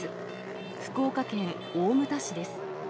福岡県大牟田市です。